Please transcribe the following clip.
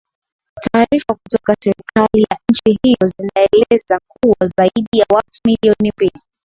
taarifa kutoka serikali ya nchi hiyo zinaeleza kuwa zaidi ya watu milioni mbili